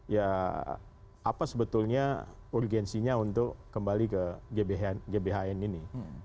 ya apa sebetulnya urgensinya untuk kembali ke gbhn ini